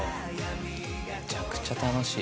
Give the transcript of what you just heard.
めちゃくちゃ楽しい。